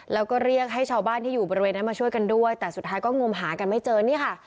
แล้วก็เรียกให้ชาวบ้านที่อยู่บริเวณนั้นมาช่วยกันด้วยแต่สุดท้ายก็งมหากันไม่เจอนี่ค่ะ